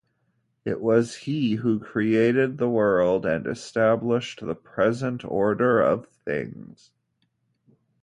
It was he who created the world and established the present order of things.